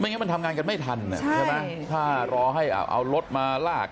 งั้นมันทำงานกันไม่ทันใช่ไหมถ้ารอให้เอารถมาลาก